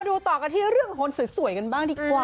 ต่อกันที่เรื่องคนสวยกันบ้างดีกว่า